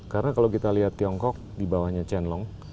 karena kalau kita lihat tiongkok dibawahnya chen long